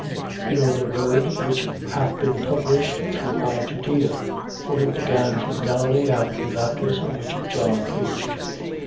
10:37. You know the word which hath been published through all Judea: for it began from Galilee, after the baptism which John preached.